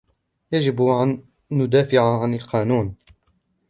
يجب أن ندافع عن القانون.